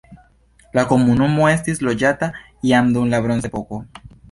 La komunumo estis loĝata jam dum la bronzepoko.